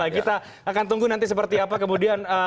kita akan tunggu nanti seperti apa kemudian